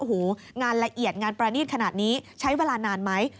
โอ้โหงานละเอียดงานประณีตขนาดนี้ใช้เวลานานไหม